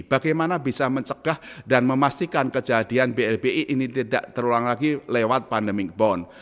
bagaimana bisa mencegah dan memastikan kejadian blbi ini tidak terulang lagi lewat pandemic bond